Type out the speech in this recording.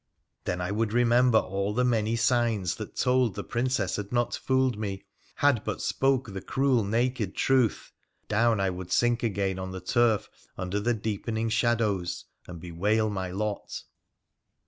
Then I would remember all the many signs that told the Princess had not fooled me — had but spoke the cruel naked truth — and down I would sink again on the turf under the deepening shadows, and bewail my lot.